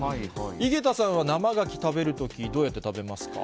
井桁さんは生ガキ食べるとき、どうやって食べますか？